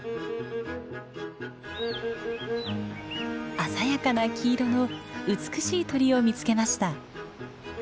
鮮やかな黄色の美しい鳥を見つけました。